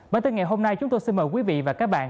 bản tin ngày hôm nay chúng tôi xin mời quý vị và các bạn